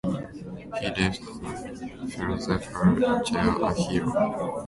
He left the Ferozepur jail a hero.